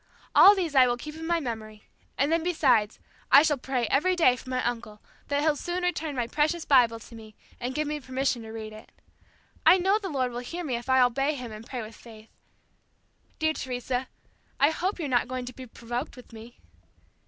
All these I will keep in my memory, and then besides I shall pray every day for my uncle, that he'll soon return my precious Bible to me, and give me permission to read it. I know the Lord will hear me, if I obey Him and pray with faith. Dear Teresa, I hope you're not going to be provoked with me."